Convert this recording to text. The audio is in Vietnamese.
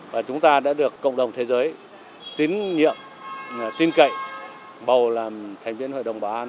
và chúng ta đã được cộng đồng thế giới tín nhiệm tin cậy bầu làm thành viên hội đồng bảo an